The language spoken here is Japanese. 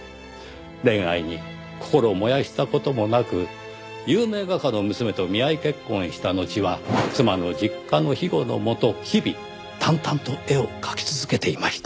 恋愛に心を燃やした事もなく有名画家の娘と見合い結婚したのちは妻の実家の庇護のもと日々淡々と絵を描き続けていました。